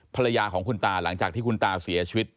ภรรยาของคุณตาหลังจากที่คุณตาเสียชีวิต